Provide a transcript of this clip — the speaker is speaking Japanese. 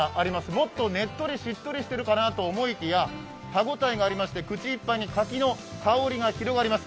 もっとねっとり、しっとりしているかなと思いきや歯ごたえがありまして、口いっぱいに柿の香りが広がります。